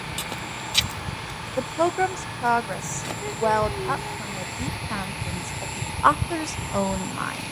The Pilgrim's Progress welled up from the deep fountains of the author's own mind.